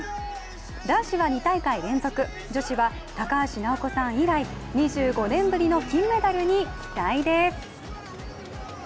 男子は２大会連続、女子は高橋尚子さん以来、２５年ぶりの金メダルに期待です。